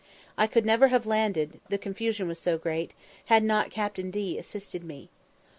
I could never have landed, the confusion was so great, had not Captain D assisted me.